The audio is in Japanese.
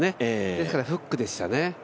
ですからフックでしたね。